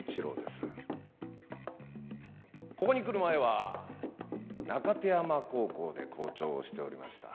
ここに来る前は中手山高校で校長をしておりました。